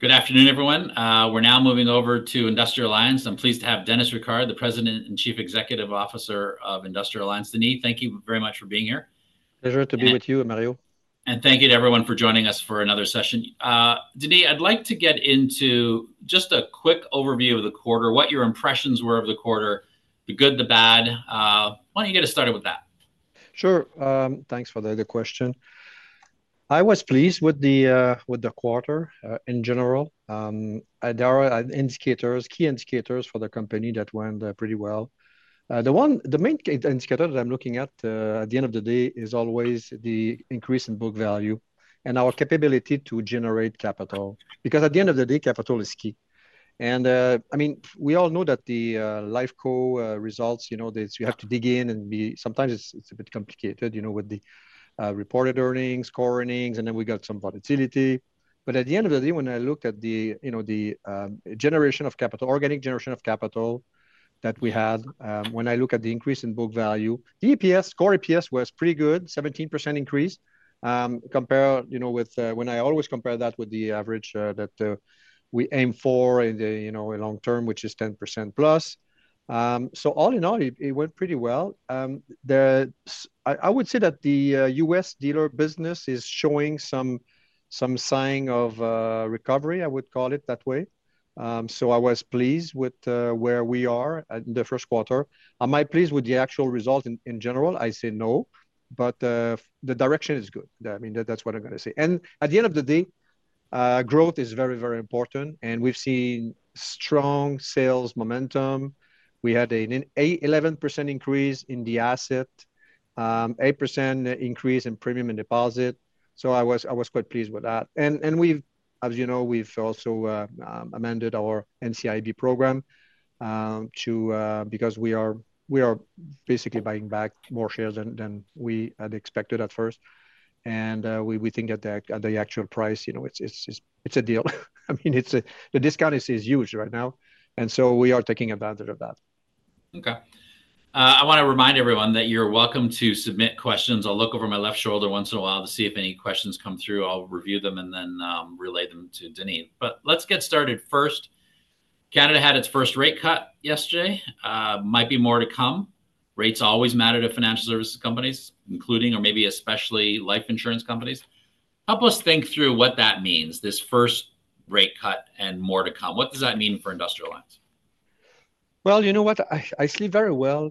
Good afternoon, everyone. We're now moving over to Industrial Alliance. I'm pleased to have Denis Ricard, the President and Chief Executive Officer of Industrial Alliance. Denis, thank you very much for being here. Pleasure to be with you, Mario. Thank you to everyone for joining us for another session. Denis, I'd like to get into just a quick overview of the quarter, what your impressions were of the quarter, the good, the bad. Why don't you get us started with that? Sure. Thanks for the question. I was pleased with the quarter, in general. There are key indicators for the company that went pretty well. The main key indicator that I'm looking at, at the end of the day, is always the increase in book value and our capability to generate capital. Because at the end of the day, capital is key. And, I mean, we all know that the life company results, you know, you have to dig in and be... Sometimes it's a bit complicated, you know, with the reported earnings, core earnings, and then we got some volatility. But at the end of the day, when I look at the, you know, the, generation of capital - organic generation of capital that we had, when I look at the increase in book value, the EPS, core EPS was pretty good, 17% increase. Compare, you know, with, when I always compare that with the average, that, we aim for in the, you know, long term, which is 10%+. So all in all, it, it went pretty well. I, I would say that the, US dealer business is showing some, some sign of, recovery. I would call it that way. So I was pleased with, where we are at the first quarter. Am I pleased with the actual result in, in general? I say no, but, the direction is good. I mean, that's what I'm gonna say. At the end of the day, growth is very, very important, and we've seen strong sales momentum. We had an 11% increase in the asset, 8% increase in premium and deposit, so I was quite pleased with that. And as you know, we've also amended our NCIB program to... Because we are basically buying back more shares than we had expected at first. And we think at the actual price, you know, it's a deal. I mean, it's the discount is huge right now, and so we are taking advantage of that. Okay. I wanna remind everyone that you're welcome to submit questions. I'll look over my left shoulder once in a while to see if any questions come through. I'll review them and then relay them to Denis. But let's get started. First, Canada had its first rate cut yesterday. Might be more to come. Rates always matter to financial services companies, including, or maybe especially, life insurance companies. Help us think through what that means, this first rate cut and more to come. What does that mean for Industrial Alliance? Well, you know what? I sleep very well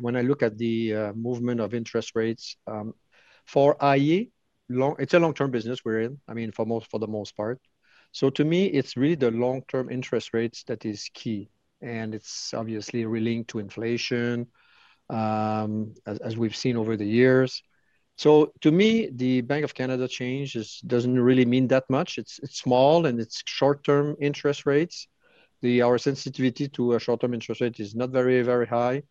when I look at the movement of interest rates. For iA., it's a long-term business we're in, I mean, for the most part. So to me, it's really the long-term interest rates that is key, and it's obviously relating to inflation, as we've seen over the years. So to me, the Bank of Canada change doesn't really mean that much. It's small, and it's short-term interest rates. Our sensitivity to a short-term interest rate is not very, very high.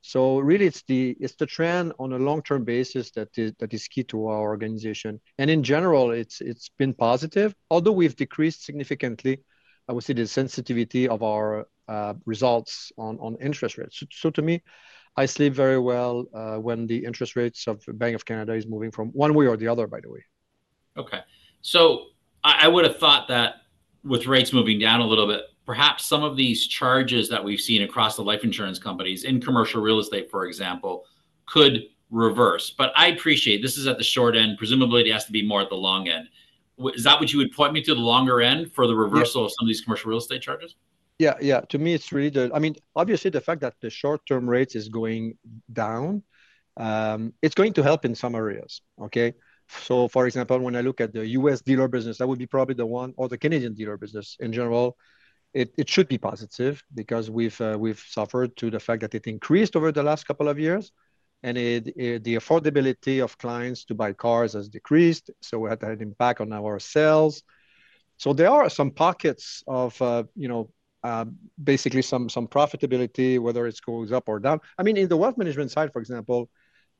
So really, it's the trend on a long-term basis that is key to our organization. And in general, it's been positive. Although we've decreased significantly, I would say the sensitivity of our results on interest rates. So to me, I sleep very well when the interest rates of the Bank of Canada is moving from one way or the other, by the way. Okay. So I would have thought that with rates moving down a little bit, perhaps some of these charges that we've seen across the life insurance companies, in commercial real estate, for example, could reverse. But I appreciate this is at the short end. Presumably, it has to be more at the long end. Is that what you would point me to, the longer end, for the reversal? Yeah... of some of these commercial real estate charges? Yeah, yeah. To me, it's really the... I mean, obviously, the fact that the short-term rates is going down, it's going to help in some areas, okay? So for example, when I look at the U.S. dealer business, that would be probably the one, or the Canadian dealer business in general, it, it should be positive because we've, we've suffered to the fact that it increased over the last couple of years, and it, the affordability of clients to buy cars has decreased, so we had that impact on our sales. So there are some pockets of, you know, basically some profitability, whether it's goes up or down. I mean, in the wealth management side, for example,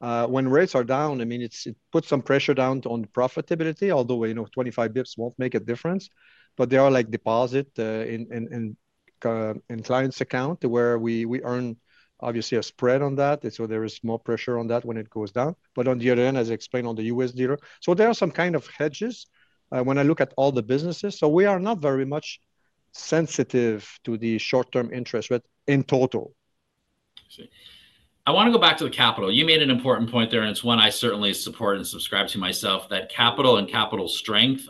when rates are down, I mean, it puts some pressure down on profitability, although, you know, 25 basis points won't make a difference. But there are, like, deposit in clients' account, where we earn obviously a spread on that, and so there is more pressure on that when it goes down. But on the other end, as I explained on the U.S. dealer. So there are some kind of hedges, when I look at all the businesses. So we are not very much sensitive to the short-term interest rate in total. I see. I wanna go back to the capital. You made an important point there, and it's one I certainly support and subscribe to myself, that capital and capital strength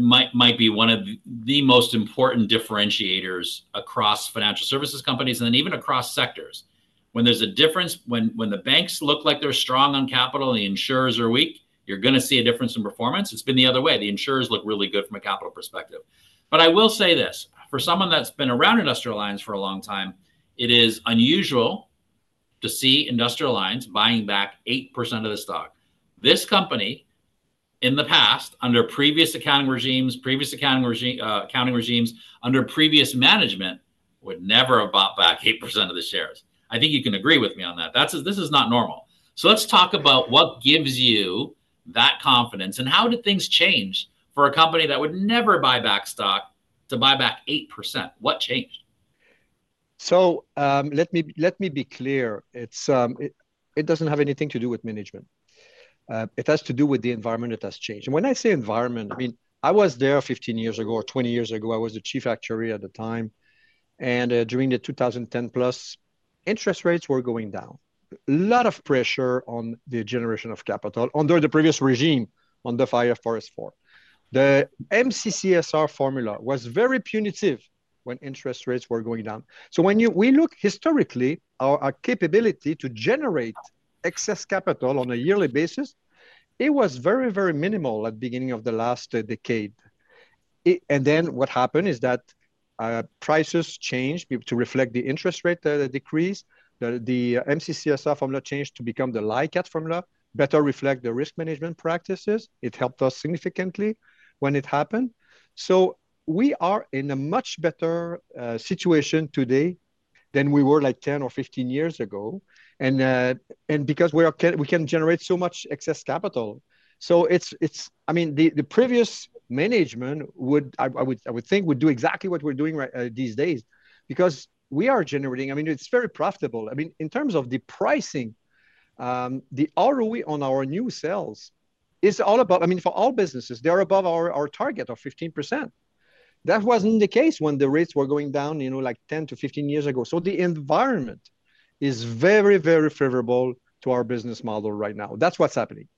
might be one of the most important differentiators across financial services companies, and then even across sectors. When there's a difference when the banks look like they're strong on capital and the insurers are weak, you're gonna see a difference in performance. It's been the other way. The insurers look really good from a capital perspective. But I will say this: For someone that's been around Industrial Alliance for a long time, it is unusual to see Industrial Alliance buying back 8% of the stock. This company, in the past, under previous accounting regimes, under previous management, would never have bought back 8% of the shares. I think you can agree with me on that. This is not normal. So let's talk about what gives you that confidence, and how did things change for a company that would never buy back stock to buy back 8%? What changed?... So, let me, let me be clear. It's, it doesn't have anything to do with management. It has to do with the environment that has changed. And when I say environment, I mean, I was there 15 years ago or 20 years ago. I was the chief actuary at the time, and during the 2010s, interest rates were going down. A lot of pressure on the generation of capital under the previous regime on the IFRS 4. The MCCSR formula was very punitive when interest rates were going down. So when we look historically, our capability to generate excess capital on a yearly basis, it was very, very minimal at the beginning of the last decade. And then what happened is that, prices changed to reflect the interest rate decrease. The MCCSR formula changed to become the LICAT formula, better reflect the risk management practices. It helped us significantly when it happened. So we are in a much better situation today than we were, like, 10 or 15 years ago, and because we can generate so much excess capital. So it's I mean, the previous management would, I would think, do exactly what we're doing right these days because we are generating I mean, it's very profitable. I mean, in terms of the pricing, the ROE on our new sales is all about I mean, for all businesses, they are above our target of 15%. That wasn't the case when the rates were going down, you know, like 10-15 years ago. The environment is very, very favorable to our business model right now. That's what's happening.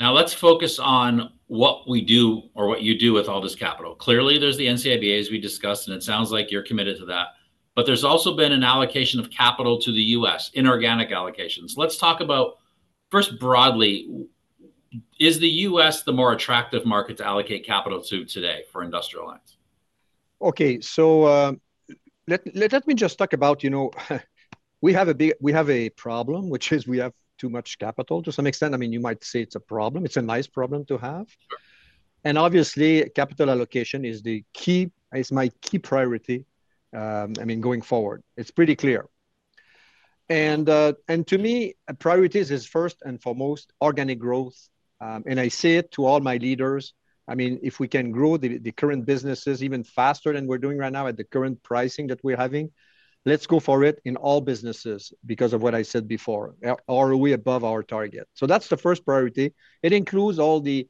Now, let's focus on what we do or what you do with all this capital. Clearly, there's the NCIB, as we discussed, and it sounds like you're committed to that, but there's also been an allocation of capital to the U.S., inorganic allocations. Let's talk about, first broadly, is the U.S. the more attractive market to allocate capital to today for Industrial Alliance? Okay, so, let me just talk about, you know, we have a problem, which is we have too much capital to some extent. I mean, you might say it's a problem. It's a nice problem to have. Sure. Obviously, capital allocation is the key, is my key priority, I mean, going forward. It's pretty clear. To me, priorities is first and foremost organic growth. And I say it to all my leaders, I mean, if we can grow the current businesses even faster than we're doing right now at the current pricing that we're having, let's go for it in all businesses because of what I said before. ROE above our target. So that's the first priority. It includes all the,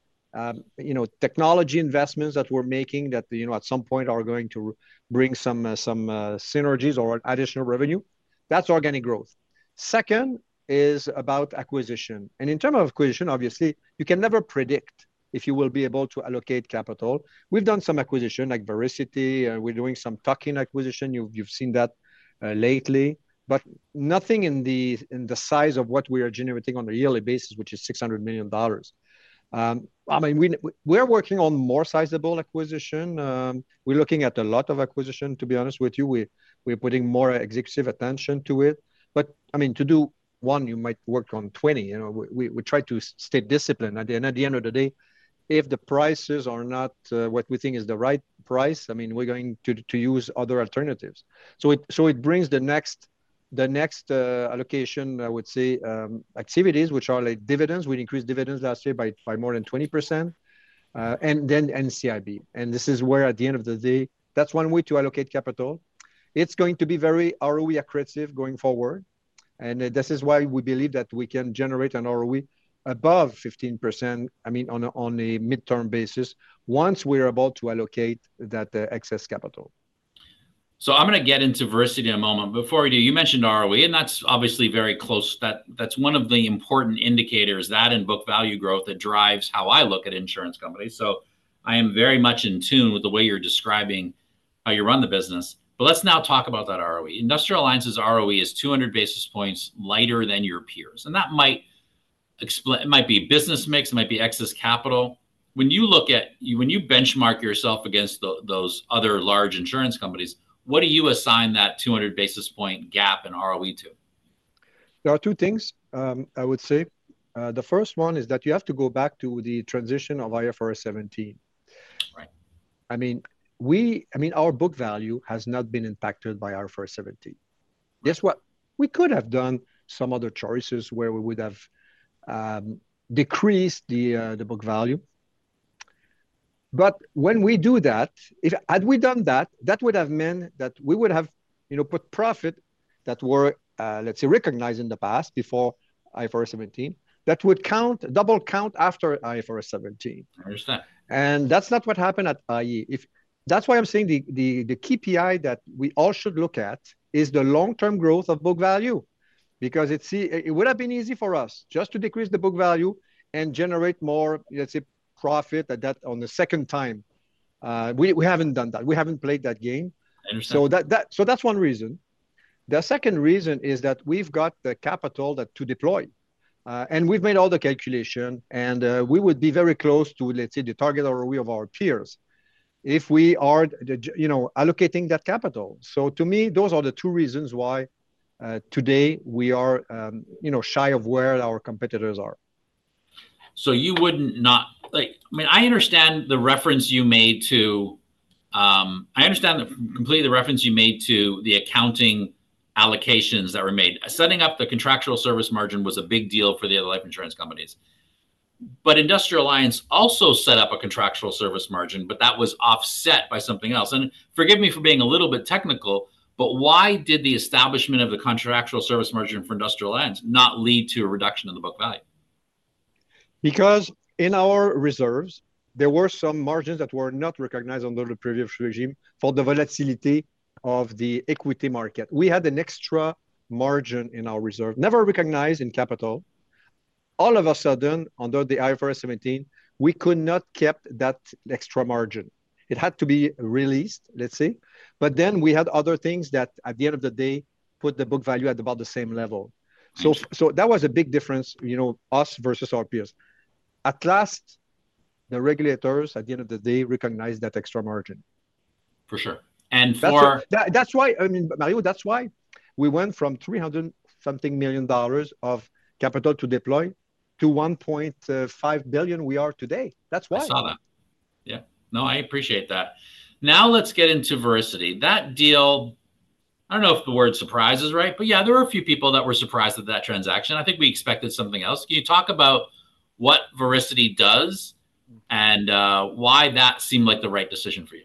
you know, technology investments that we're making, that, you know, at some point are going to bring some synergies or additional revenue. That's organic growth. Second is about acquisition, and in terms of acquisition, obviously, you can never predict if you will be able to allocate capital. We've done some acquisition, like Vericity, we're doing some tuck-in acquisition. You've, you've seen that, lately, but nothing in the size of what we are generating on a yearly basis, which is 600 million dollars. I mean, we, we're working on more sizable acquisition. We're looking at a lot of acquisition, to be honest with you. We're, we're putting more executive attention to it. But, I mean, to do one, you might work on 20, you know. We, we try to stay disciplined. At the end, at the end of the day, if the prices are not what we think is the right price, I mean, we're going to use other alternatives. So it, so it brings the next, the next allocation, I would say, activities, which are like dividends. We increased dividends last year by more than 20%, and then NCIB, and this is where, at the end of the day, that's one way to allocate capital. It's going to be very ROE accretive going forward, and this is why we believe that we can generate an ROE above 15%, I mean, on a midterm basis, once we're able to allocate that excess capital. So I'm gonna get into Vericity in a moment. Before we do, you mentioned ROE, and that's obviously very close. That, that's one of the important indicators, that and book value growth, that drives how I look at insurance companies. So I am very much in tune with the way you're describing how you run the business, but let's now talk about that ROE. Industrial Alliance's ROE is 200 basis points lighter than your peers, and that might be business mix, it might be excess capital. When you benchmark yourself against those other large insurance companies, what do you assign that 200 basis point gap in ROE to? There are two things, I would say. The first one is that you have to go back to the transition of IFRS 17. Right. I mean, our book value has not been impacted by IFRS 17. Guess what? We could have done some other choices where we would have decreased the book value. But when we do that, had we done that, that would have meant that we would have, you know, put profit that were, let's say, recognized in the past, before IFRS 17, that would count, double count after IFRS 17. I understand. And that's not what happened at iA. That's why I'm saying the key PI that we all should look at is the long-term growth of book value. Because it's easy. It would have been easy for us just to decrease the book value and generate more, let's say, profit at that on the second time. We haven't done that. We haven't played that game. I understand. So that's one reason. The second reason is that we've got the capital that to deploy, and we've made all the calculation, and, we would be very close to, let's say, the target ROE of our peers if we are, you know, allocating that capital. So to me, those are the two reasons why, today we are, you know, shy of where our competitors are. So you wouldn't not... Like, I mean, I understand completely the reference you made to the accounting allocations that were made. Setting up the contractual service margin was a big deal for the other life insurance companies, but Industrial Alliance also set up a contractual service margin, but that was offset by something else. And forgive me for being a little bit technical, but why did the establishment of the contractual service margin for Industrial Alliance not lead to a reduction in the book value? Because in our reserves, there were some margins that were not recognized under the previous regime for the volatility of the equity market. We had an extra margin in our reserve, never recognized in capital. All of a sudden, under the IFRS 17, we could not kept that extra margin. It had to be released, let's say. But then we had other things that, at the end of the day, put the book value at about the same level. I see. So that was a big difference, you know, us versus our peers. At last, the regulators, at the end of the day, recognized that extra margin. For sure. And for- That's why... I mean, Mario, that's why we went from $300-something million of capital to deploy to $1.5 billion we are today. That's why. I saw that. Yeah. No, I appreciate that. Now let's get into Vericity. That deal, I don't know if the word surprise is right, but, yeah, there were a few people that were surprised at that transaction. I think we expected something else. Can you talk about what Vericity does, and why that seemed like the right decision for you?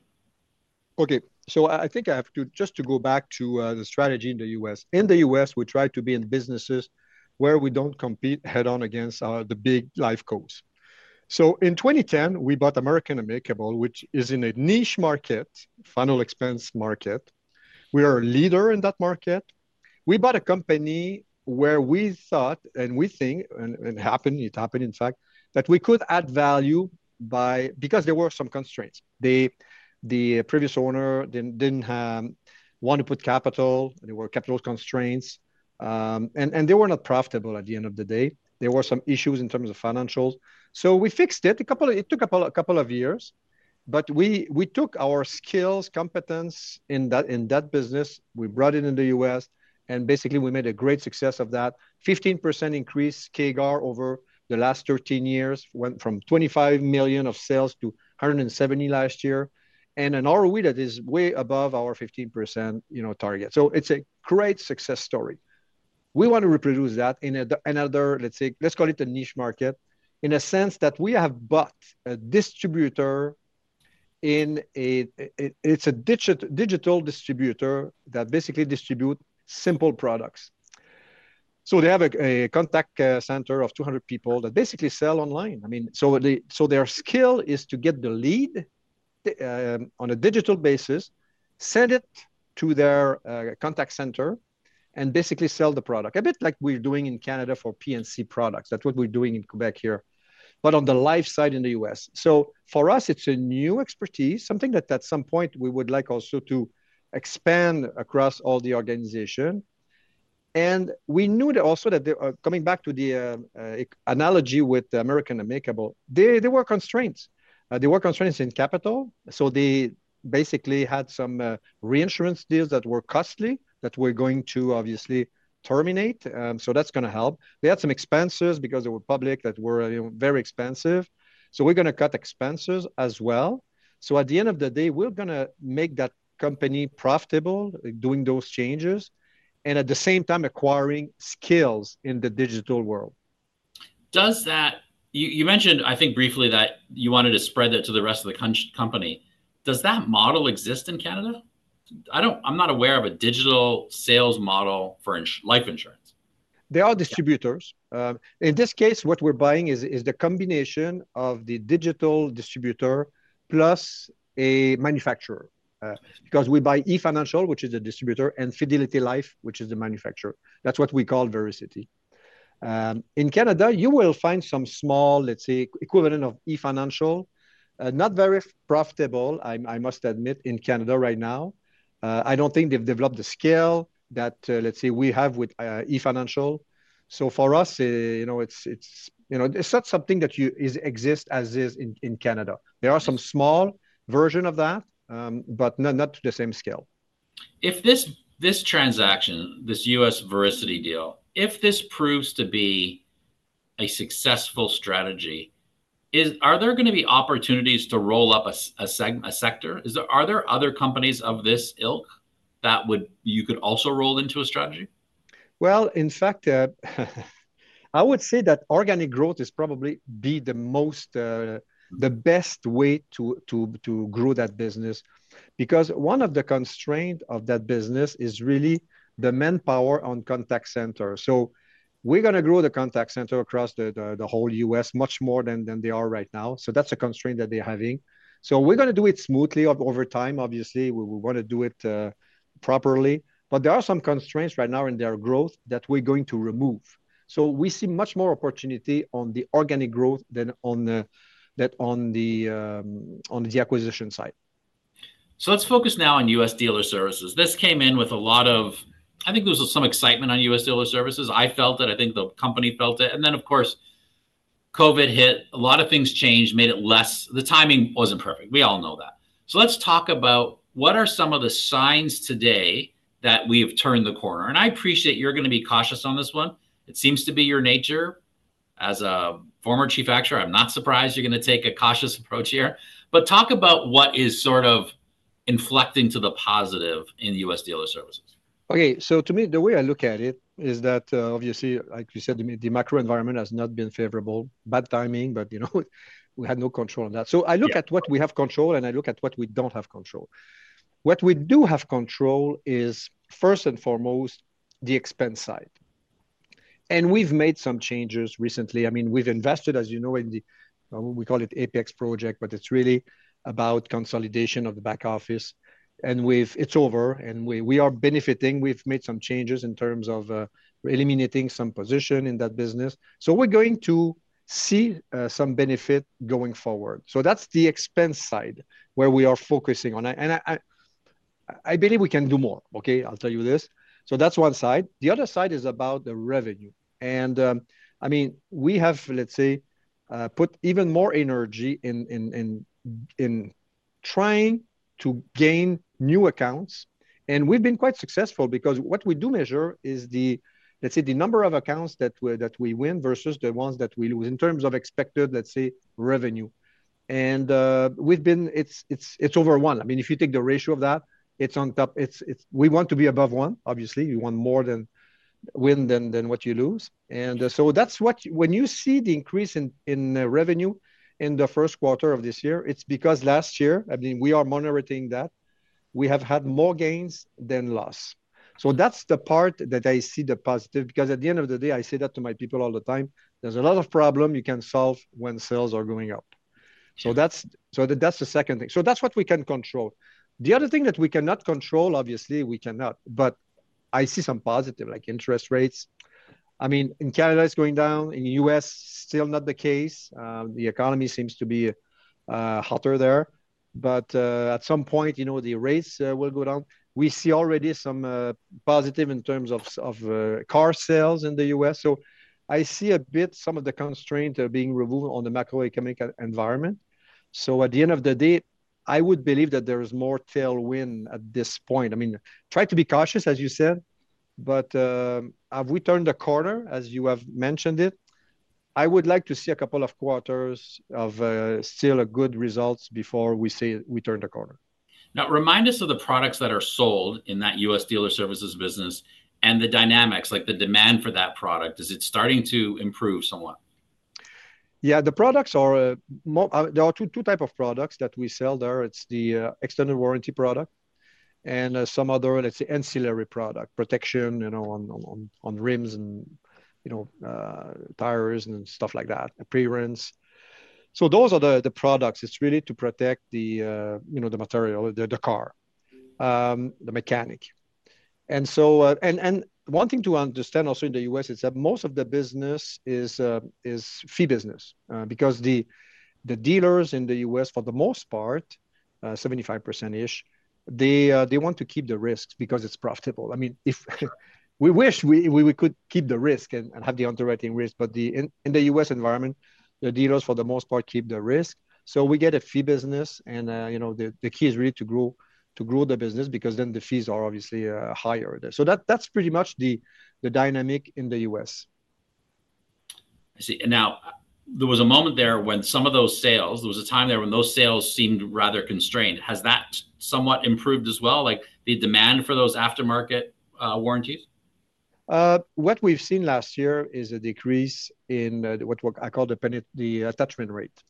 Okay, so I think I have to... Just to go back to the strategy in the U.S. In the U.S., we try to be in businesses where we don't compete head-on against the big life cos. So in 2010, we bought American-Amicable, which is in a niche market, final expense market. We are a leader in that market. We bought a company where we thought, and we think, and it happened in fact, that we could add value by... Because there were some constraints. The previous owner didn't want to put capital, there were capital constraints. And they were not profitable at the end of the day. There were some issues in terms of financials. So we fixed it. It took a couple of years, but we took our skills, competence in that business, we brought it in the U.S., and basically we made a great success of that. 15% increase CAGR over the last 13 years, went from $25 million of sales to $170 million last year. And an ROE that is way above our 15%, you know, target. So it's a great success story. We want to reproduce that in another, let's say, let's call it a niche market, in a sense that we have bought a distributor in a... It's a digital distributor that basically distribute simple products. So they have a contact center of 200 people that basically sell online. I mean, so they... So their skill is to get the lead, on a digital basis, send it to their contact center, and basically sell the product. A bit like we're doing in Canada for P&C products. That's what we're doing in Quebec here, but on the life side in the U.S. So for us, it's a new expertise, something that at some point we would like also to expand across all the organization. And we knew that also, coming back to the analogy with the American-Amicable, there were constraints. There were constraints in capital, so they basically had some reinsurance deals that were costly, that we're going to obviously terminate. So that's gonna help. They had some expenses, because they were public, that were, you know, very expensive, so we're gonna cut expenses as well. At the end of the day, we're gonna make that company profitable doing those changes and, at the same time, acquiring skills in the digital world. Does that... You mentioned, I think, briefly, that you wanted to spread it to the rest of the company. Does that model exist in Canada? I'm not aware of a digital sales model for life insurance. There are distributors. Yeah. In this case, what we're buying is the combination of the digital distributor plus a manufacturer. Yes. Because we buy eFinancial, which is a distributor, and Fidelity Life, which is a manufacturer. That's what we call Vericity. In Canada, you will find some small, let's say, equivalent of eFinancial, not very profitable, I must admit, in Canada right now. I don't think they've developed the scale that, let's say, we have with eFinancial. So for us, you know, it's... You know, it's not something that is exist as is in Canada. Yes. There are some small version of that, but not to the same scale. If this transaction, this U.S. Vericity deal, if this proves to be a successful strategy, are there gonna be opportunities to roll up a sector? Are there other companies of this ilk that you could also roll into a strategy? Well, in fact, I would say that organic growth is probably be the most, the best way to, to, to grow that business. Because one of the constraint of that business is really the manpower on contact center. So we're gonna grow the contact center across the, the, the whole U.S. much more than, than they are right now, so that's a constraint that they're having. So we're gonna do it smoothly over time. Obviously, we wanna do it, properly. But there are some constraints right now in their growth that we're going to remove. So we see much more opportunity on the organic growth than on the, than on the, on the acquisition side. So let's focus now on U.S. Dealer Services. This came in with a lot of... I think there was some excitement on U.S. Dealer Services. I felt it, I think the company felt it. And then, of course, COVID hit, a lot of things changed, made it less... The timing wasn't perfect. We all know that. So let's talk about what are some of the signs today that we have turned the corner? And I appreciate you're gonna be cautious on this one. It seems to be your nature. As a former chief actuary, I'm not surprised you're gonna take a cautious approach here. But talk about what is sort of-... inflecting to the positive in the U.S. Dealer Services? Okay, so to me, the way I look at it is that, obviously, like you said to me, the macro environment has not been favorable. Bad timing, but, you know, we had no control on that. Yeah. So I look at what we have control, and I look at what we don't have control. What we do have control is, first and foremost, the expense side, and we've made some changes recently. I mean, we've invested, as you know, in the, we call it Apex Project, but it's really about consolidation of the back office. And we've—it's over, and we are benefiting. We've made some changes in terms of eliminating some position in that business. So we're going to see some benefit going forward. So that's the expense side where we are focusing on. And I believe we can do more, okay? I'll tell you this. So that's one side. The other side is about the revenue, and I mean, we have, let's say, put even more energy in trying to gain new accounts. We've been quite successful because what we do measure is the, let's say, the number of accounts that we win versus the ones that we lose in terms of expected, let's say, revenue. And we've been. It's over one. I mean, if you take the ratio of that, it's on top. It's we want to be above one, obviously. You want more wins than what you lose. And so that's what when you see the increase in revenue in the first quarter of this year, it's because last year, I mean, we are monitoring that, we have had more gains than loss. That's the part that I see the positive, because at the end of the day, I say that to my people all the time, "There's a lot of problem you can solve when sales are going up. Sure. So that's, so that's the second thing. So that's what we can control. The other thing that we cannot control, obviously, we cannot, but I see some positive, like interest rates. I mean, in Canada, it's going down. In the U.S., still not the case. The economy seems to be hotter there, but at some point, you know, the rates will go down. We see already some positive in terms of car sales in the U.S. So I see a bit, some of the constraints are being removed on the macroeconomic environment. So at the end of the day, I would believe that there is more tailwind at this point. I mean, try to be cautious, as you said, but have we turned a corner, as you have mentioned it? I would like to see a couple of quarters of still a good results before we say we turned the corner. Now, remind us of the products that are sold in that U.S. Dealer Services business and the dynamics, like the demand for that product. Is it starting to improve somewhat? Yeah, the products are more... There are two types of products that we sell there. It's the extended warranty product and some other, let's say, ancillary product. Protection, you know, on rims and, you know, tires and stuff like that, appearance. So those are the products. It's really to protect the, you know, the material, the car, the mechanical. And so, one thing to understand also in the U.S. is that most of the business is fee business. Because the dealers in the U.S., for the most part, 75%-ish, they want to keep the risks because it's profitable. I mean, if we wish, we could keep the risk and have the underwriting risk, but in the U.S. environment, the dealers, for the most part, keep the risk. So we get a fee business, and, you know, the key is really to grow the business because then the fees are obviously higher. So that's pretty much the dynamic in the U.S. I see. And now, there was a moment there when some of those sales, there was a time there when those sales seemed rather constrained. Has that somewhat improved as well, like the demand for those aftermarket warranties? What we've seen last year is a decrease in what I call the attachment rate. Mm.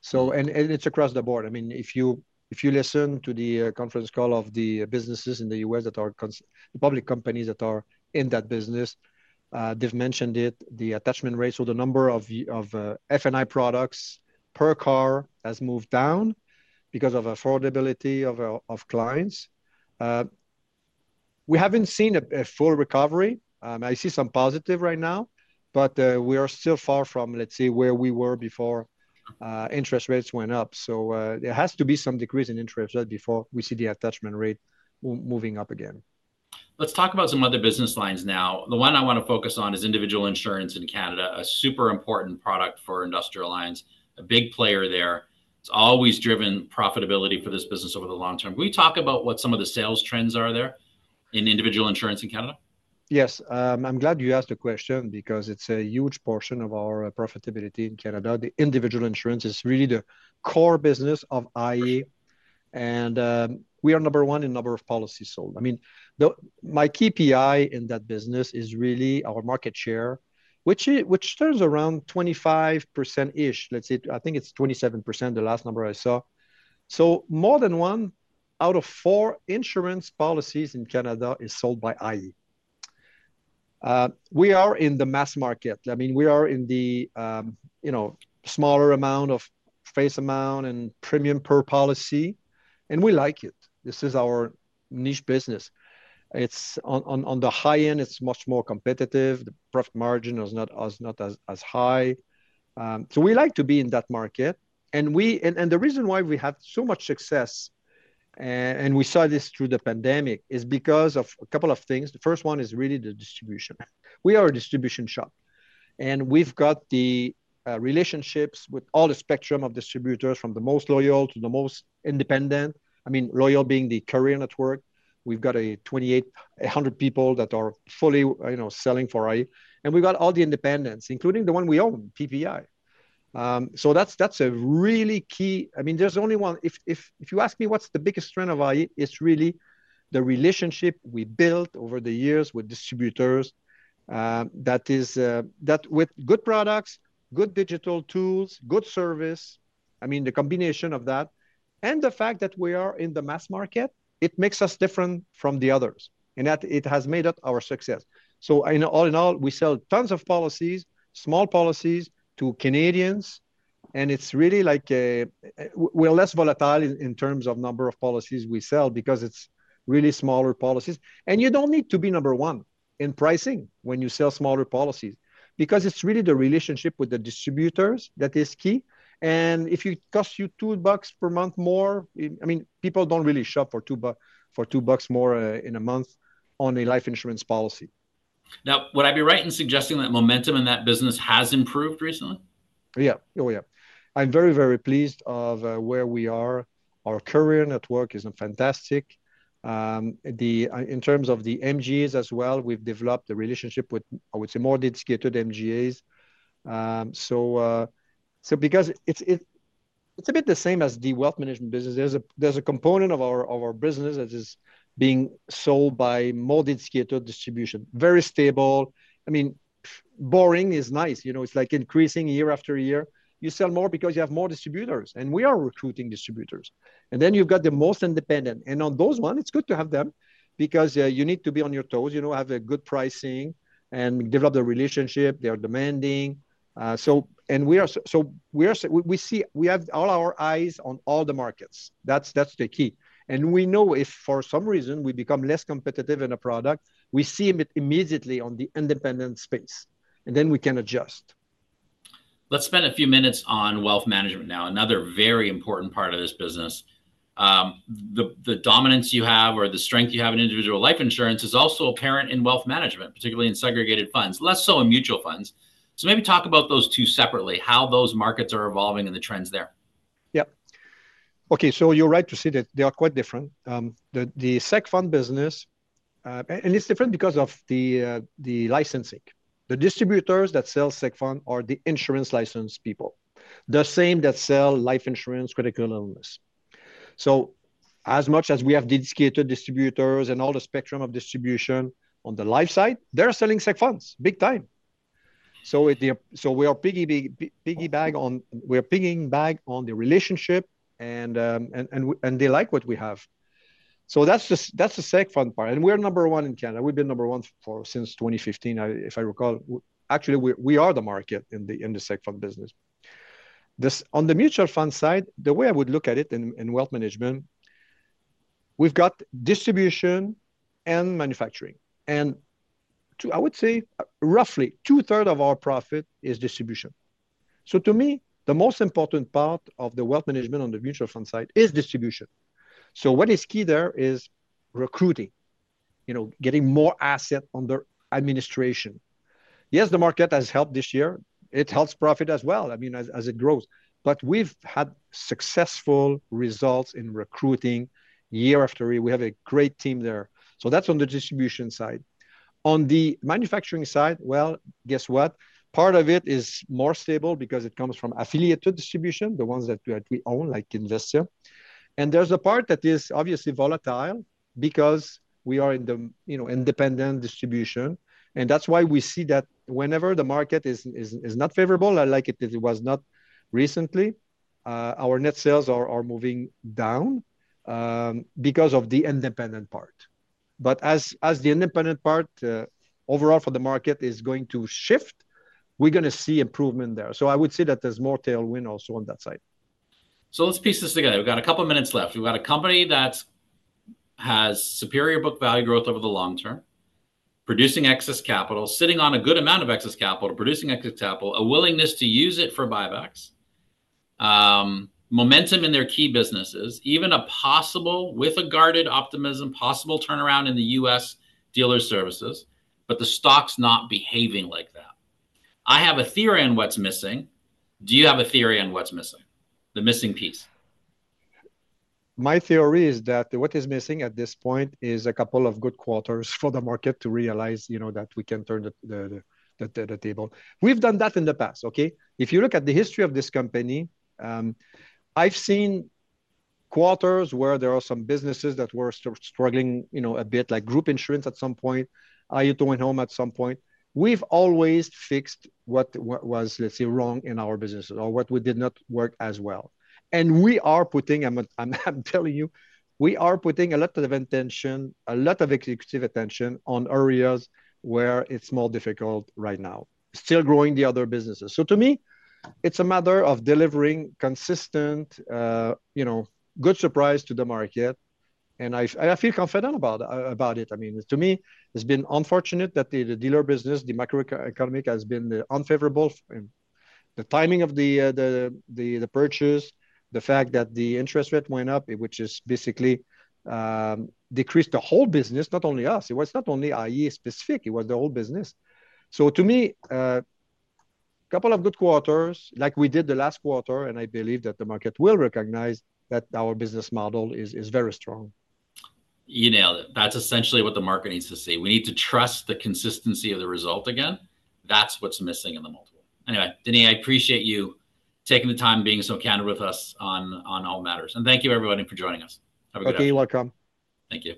So, it's across the board. I mean, if you listen to the conference call of the businesses in the U.S. that are public companies that are in that business, they've mentioned it, the attachment rate. So the number of F&I products per car has moved down because of affordability of clients. We haven't seen a full recovery. I see some positive right now, but we are still far from, let's say, where we were before interest rates went up. So, there has to be some decrease in interest rate before we see the attachment rate moving up again. Let's talk about some other business lines now. The one I want to focus on is individual insurance in Canada, a super important product for Industrial Alliance, a big player there. It's always driven profitability for this business over the long term. Can we talk about what some of the sales trends are there in individual insurance in Canada? Yes, I'm glad you asked the question because it's a huge portion of our profitability in Canada. The Individual Insurance is really the core business of iA, and we are number one in number of policies sold. I mean, my KPI in that business is really our market share, which turns around 25%-ish. Let's say, I think it's 27%, the last number I saw. So more than one out of four insurance policies in Canada is sold by iA. We are in the mass market. I mean, we are in the, you know, smaller amount of face amount and premium per policy, and we like it. This is our niche business. It's on the high end, it's much more competitive. The profit margin is not as high. So we like to be in that market, and the reason why we have so much success, and we saw this through the pandemic, is because of a couple of things. The first one is really the distribution. We are a distribution shop, and we've got the relationships with all the spectrum of distributors, from the most loyal to the most independent. I mean, loyal being the career network. We've got 2,800 people that are fully, you know, selling for iA, and we've got all the independents, including the one we own, PPI. So that's a really key. I mean, there's only one... If you ask me what's the biggest strength of iA, it's really the relationship we built over the years with distributors, that is, that with good products, good digital tools, good service, I mean, the combination of that, and the fact that we are in the mass market, it makes us different from the others, and that it has made up our success. So in all, all in all, we sell tons of policies, small policies to Canadians, and it's really like a, we're less volatile in terms of number of policies we sell because it's really smaller policies. And you don't need to be number one in pricing when you sell smaller policies, because it's really the relationship with the distributors that is key. And if it costs you $2 per month more, I mean, people don't really shop for $2 more in a month on a life insurance policy. Now, would I be right in suggesting that momentum in that business has improved recently? Yeah. Oh, yeah. I'm very, very pleased of where we are. Our career network is fantastic. In terms of the MGAs as well, we've developed a relationship with, I would say, more dedicated MGAs. So because it's, it's a bit the same as the wealth management business. There's a component of our business that is being sold by more dedicated distribution. Very stable. I mean, boring is nice, you know? It's like increasing year after year. You sell more because you have more distributors, and we are recruiting distributors. And then you've got the most independent, and on those one, it's good to have them because you need to be on your toes, you know, have a good pricing and develop the relationship. They are demanding. So we see, we have all our eyes on all the markets. That's the key. And we know if for some reason we become less competitive in a product, we see it immediately on the independent space, and then we can adjust. Let's spend a few minutes on wealth management now, another very important part of this business. The dominance you have or the strength you have in individual life insurance is also apparent in wealth management, particularly in segregated funds, less so in mutual funds. So maybe talk about those two separately, how those markets are evolving and the trends there. Yep. Okay, so you're right to say that they are quite different. The seg fund business. It's different because of the licensing. The distributors that sell seg fund are the insurance licensed people, the same that sell life insurance, critical illness. So as much as we have dedicated distributors and all the spectrum of distribution on the life side, they're selling seg funds, big time. So we are piggybacking on the relationship, and they like what we have. So that's just the seg fund part, and we're number one in Canada. We've been number one since 2015, if I recall. Actually, we are the market in the seg fund business. This, on the mutual fund side, the way I would look at it in wealth management, we've got distribution and manufacturing, and I would say, roughly two-thirds of our profit is distribution. So to me, the most important part of the wealth management on the mutual fund side is distribution. So what is key there is recruiting, you know, getting more asset under administration. Yes, the market has helped this year. It helps profit as well, I mean, as it grows. But we've had successful results in recruiting year after year. We have a great team there. So that's on the distribution side. On the manufacturing side, well, guess what? Part of it is more stable because it comes from affiliated distribution, the ones that we own, like Investia. There's a part that is obviously volatile because we are in the, you know, independent distribution, and that's why we see that whenever the market is not favorable, unlike it was not recently, our net sales are moving down because of the independent part. But as the independent part overall for the market is going to shift, we're gonna see improvement there. So I would say that there's more tailwind also on that side. So let's piece this together. We've got a couple minutes left. We've got a company that has superior book value growth over the long term, producing excess capital, sitting on a good amount of excess capital, producing excess capital, a willingness to use it for buybacks, momentum in their key businesses, even a possible, with a guarded optimism, possible turnaround in the U.S. Dealer Services, but the stock's not behaving like that. I have a theory on what's missing. Do you have a theory on what's missing, the missing piece? My theory is that what is missing at this point is a couple of good quarters for the market to realize, you know, that we can turn the table. We've done that in the past, okay? If you look at the history of this company, I've seen quarters where there are some businesses that were struggling, you know, a bit, like Group Insurance at some point, iA Auto & Home at some point. We've always fixed what was, let's say, wrong in our businesses or what we did not work as well. We are putting, I'm telling you, we are putting a lot of attention, a lot of executive attention on areas where it's more difficult right now, still growing the other businesses. So to me, it's a matter of delivering consistent, you know, good surprise to the market, and I feel confident about it. I mean, to me, it's been unfortunate that the dealer business, the macroeconomic, has been unfavorable. The timing of the purchase, the fact that the interest rate went up, which basically decreased the whole business, not only us. It was not only iA specific, it was the whole business. So to me, couple of good quarters, like we did the last quarter, and I believe that the market will recognize that our business model is very strong. You nailed it. That's essentially what the market needs to see. We need to trust the consistency of the result again. That's what's missing in the multiple. Anyway, Denis, I appreciate you taking the time, being so candid with us on all matters. Thank you, everybody, for joining us. Have a good afternoon. Okay, you're welcome. Thank you.